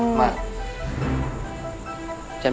jangan mikir yang macem macem